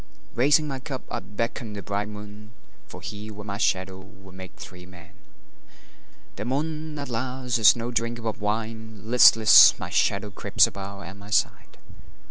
Raising my cup I beckon the bright moon, For he, with my shadow, will make three men. The moon, alas, is no drinker of wine; Listless, my shadow creeps about at my side.